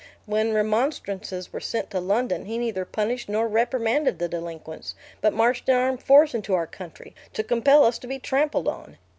When remonstrances were sent to London, he neither punished nor reprimanded the delinquents, but marched an armed force into our country, to compel us to be trampled on.